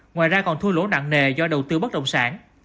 ngoài ra còn thua lỗ nặng nề do đầu tư bất động sản